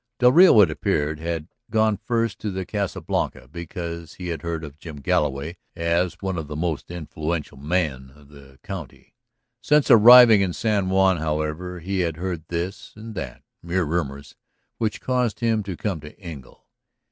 Del Rio, it appeared, had gone first to the Casa Blanca because he had heard of Jim Galloway as one of the most influential men of the county. Since arriving in San Juan, however, he had heard this and that, mere rumors, which caused him to come to Engle.